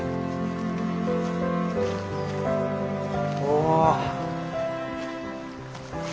お。